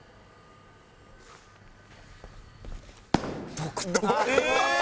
独特。